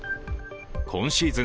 今シーズン